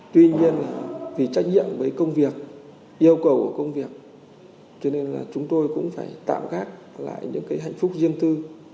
tuy nhiên vì trách nhiệm với công việc yêu cầu của công việc cho nên là chúng tôi cũng phải tạo gác lại những cái hạnh phúc riêng tư